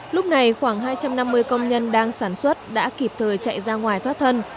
lúc này khoảng hai trăm năm mươi công nhân đang sản xuất đã kịp thời chạy ra ngoài thoát thân